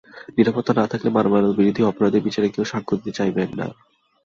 নিরাপত্তা না থাকলে মানবতাবিরোধী অপরাধের বিচারে কেউ সাক্ষ্য দিতে চাইবেন না।